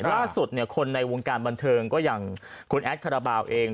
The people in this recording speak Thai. ล่าสุดคนในวงการบันเทิงก็อย่างคุณแอดขระบาวเอง